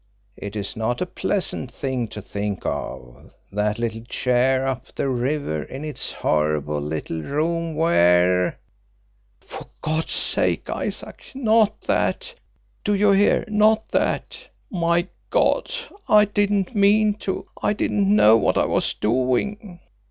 It is not a pleasant thing to think of, that little chair up the river in its horrible little room where " "For God's sake, Isaac not that! Do you hear not that! My God, I didn't mean to I didn't know what I was doing!"